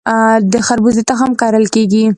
د خربوزې تخم کرل کیږي؟